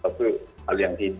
satu hal yang ini